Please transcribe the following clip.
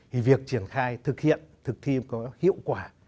thì việc triển khai thực hiện thực thi có hiệu quả